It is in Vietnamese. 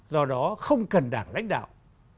do đó không cần đảng lãnh đạo